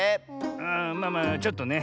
ああまあまあちょっとね。